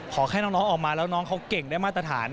ขอให้น้องออกมาแล้วน้องเขาเก่งได้มาตรฐาน